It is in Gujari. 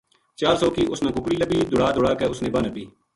چار سو کی اس نا ککڑی لبھی دُڑا دُڑا کے اس نے وا ہ نپی